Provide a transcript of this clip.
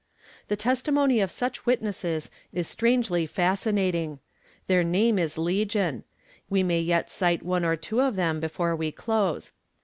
The testimony of such witnesses is strangely fascinating; their name is legion; we may yet cite one or two of them before we close.